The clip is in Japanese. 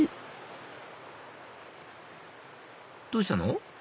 どうしたの？